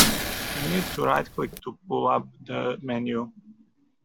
You need to right click to pull up the menu.